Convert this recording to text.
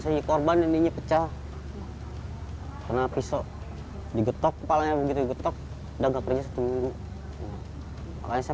saya korban ini pecah hai karena pisau digetok kepala begitu getok dan gak kerja setuju makanya